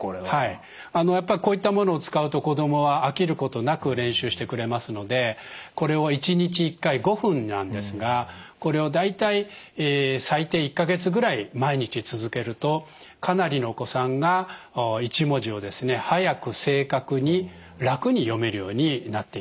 はいやっぱりこういったものを使うと子どもは飽きることなく練習してくれますのでこれを１日１回５分なんですがこれを大体最低１か月ぐらい毎日続けるとかなりのお子さんが１文字を速く正確に楽に読めるようになっていきます。